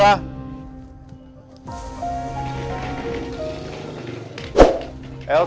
iya aku mau beres